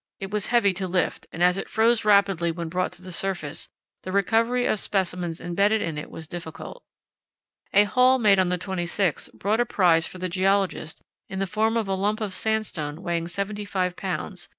It was heavy to lift, and as it froze rapidly when brought to the surface, the recovery of the specimens embedded in it was difficult. A haul made on the 26th brought a prize for the geologist in the form of a lump of sandstone weighing 75 lbs.